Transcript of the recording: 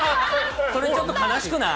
それ、ちょっと悲しくない？